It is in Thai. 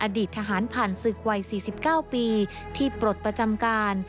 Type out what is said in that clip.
อดีตทหารผ่านศึกวัย๔๙ปีที่ปลดประจำการ